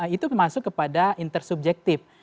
itu termasuk kepada intersubjektif